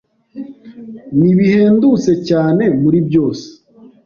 Nibihendutse cyane muri byose.